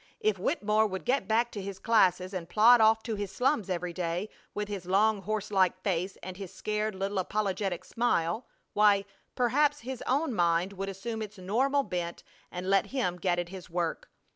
If Wittemore would get back to his classes and plod off to his slums every day, with his long horse like face and his scared little apologetic smile, why, perhaps his own mind would assume its normal bent and let him get at his work.